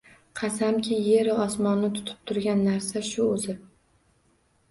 «Qasamki, yer-u osmonni tutib turgan narsa shu o‘zi!»